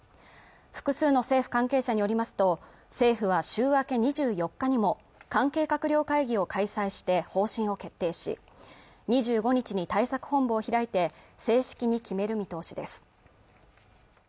複数の政府関係者によりますと政府は週明け２４日にも関係閣僚会議を開催して方針を決定し２５日に対策本部を開いて正式に決める見通しです